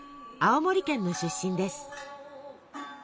青森県の出身です。